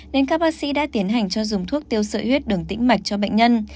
nên các bác sĩ đã tiến hành cho dùng thuốc tiêu sợi huyết đường tĩnh mạch cho bệnh nhân